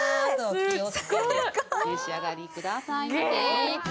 気をつけてお召し上がりくださいませ。